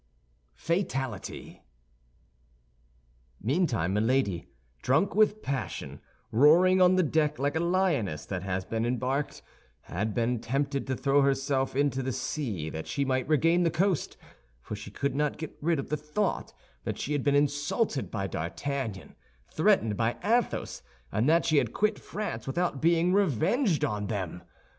FATALITY Meantime Milady, drunk with passion, roaring on the deck like a lioness that has been embarked, had been tempted to throw herself into the sea that she might regain the coast, for she could not get rid of the thought that she had been insulted by D'Artagnan, threatened by Athos, and that she had quit France without being revenged on them.